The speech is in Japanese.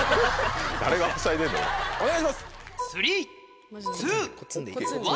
誰がはしゃいでんねんお願いします。